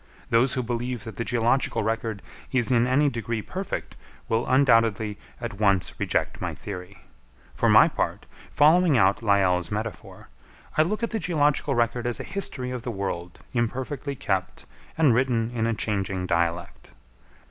Those who believe that the geological record is in any degree perfect, will undoubtedly at once reject my theory. For my part, following out Lyell's metaphor, I look at the geological record as a history of the world imperfectly kept and written in a changing dialect.